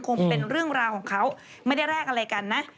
คงเป็นเรื่องราวของเขาไม่ได้แลกอะไรกันนะ